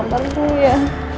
masuk kamar dulu ya